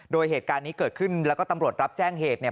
โดยเหตุการณ์นี้เกิดขึ้นแล้วก็ตำรวจรับแจ้งเหตุเนี่ย